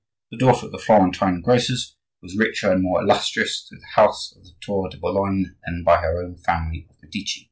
the daughter of the Florentine grocers, who was richer and more illustrious through the house of the Tour de Boulogne than by her own family of Medici.